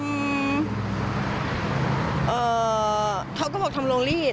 อืมเขาก็บอกทำโรงรีด